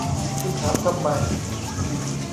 คุณถามทำไม